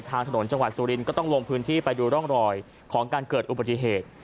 ทางถนนจังหวัดสุรินทร์ก็ต้องลงพื้นที่ไปดูร่องรอยของการเกิดอุบัติเหตุ